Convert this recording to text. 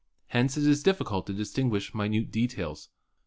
Hence it is difficult to distinguish minute details.